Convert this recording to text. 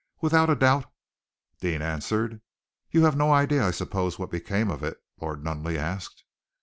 "Without a doubt," Deane answered. "You have no idea, I suppose, what became of it?" Lord Nunneley asked.